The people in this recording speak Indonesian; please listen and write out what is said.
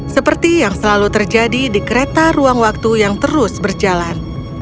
seperti yang selalu terjadi di kereta ruang waktu yang terus berjalan